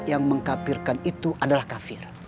maka yang mengkafirkan itu adalah kafir